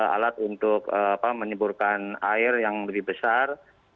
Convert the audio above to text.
alat untuk menyemburkan air yang lebih besar